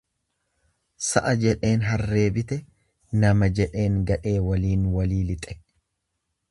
Sa'a jedheen harree bite nama jedheen gadhee waliin wilii lixe.